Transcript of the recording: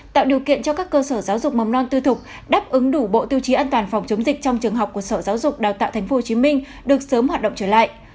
tạo điều kiện cho các cơ sở giáo dục mầm non tư thục đáp ứng đủ bộ tiêu chí an toàn phòng chống dịch trong trường học của sở giáo dục đào tạo tp hcm được sớm hoạt động trở lại